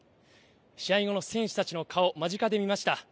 試合後の選手たちの顔、間近で見ました。